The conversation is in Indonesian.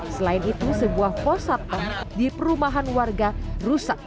selain itu sebuah posat di perumahan warga rusak